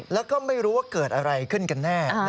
แล้วก็ไม่รู้ว่าเกิดอะไรขึ้นกันแน่